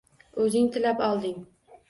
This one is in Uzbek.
O'zing tilab olding.